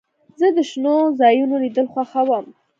زه د شنو ځایونو لیدل خوښوم.